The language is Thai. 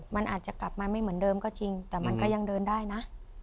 มันอาจจะกลับมาไม่เหมือนเดิมก็จริงแต่มันก็ยังเดินได้นะ